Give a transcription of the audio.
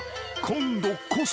今度こそ］